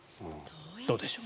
どうでしょう？